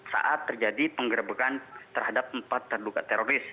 saat terjadi penggerbekan terhadap empat terduga teroris